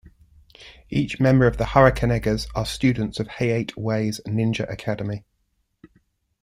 Each member of the Hurricanegers are students of Hayate Way's Ninja Academy.